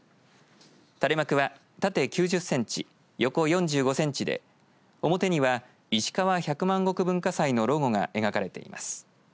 垂れ幕は縦９０センチ横４５センチで、表にはいしかわ百万石文化祭のロゴが描かれています。